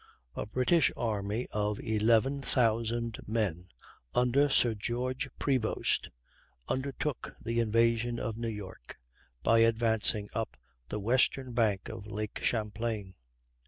A British army of 11,000 men under Sir George Prevost undertook the invasion of New York by advancing up the western bank of Lake Champlain.